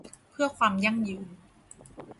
เพื่อความยั่งยืน